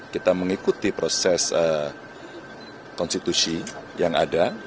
kita mengikuti proses konstitusi yang ada